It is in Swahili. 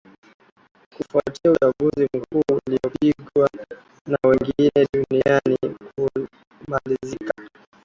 kufuatia uchaguzi mkuu uliopigwa na wengi duniani kumalizika